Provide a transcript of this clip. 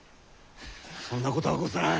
そんなことはござらん。